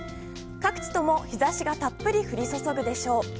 各地とも日差しがたっぷり降り注ぐでしょう。